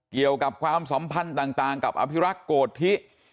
เกี่ยวกับความสัมพันธ์ต่างกับอภิรักษ์โกธิ